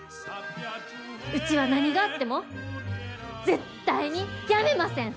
うちは何があっても絶対にやめません！